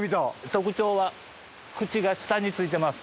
特徴は口が下についてます。